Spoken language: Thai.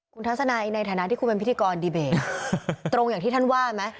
คุณทัศนัยในฐานะที่คุณเป็นพิธีกรดีเบตตรงอย่างที่ท่านว่าไหม